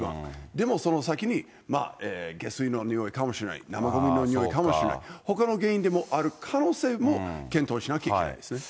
でもその先に、下水の臭いかもしれない、生ごみの臭いかもしれない、ほかの原因でもある可能性も検討しなきゃいけないですね。